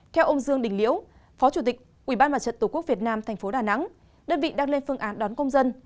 theo ông dương đình liễu phó chủ tịch ubnd tq việt nam tp đà nẵng đơn vị đang lên phương án đón công dân